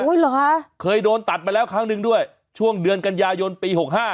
เหรอคะเคยโดนตัดมาแล้วครั้งหนึ่งด้วยช่วงเดือนกันยายนปี๖๕